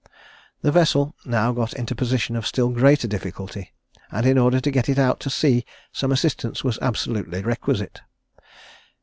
The vessel now got into a position of still greater difficulty, and in order to get it out to sea some assistance was absolutely requisite.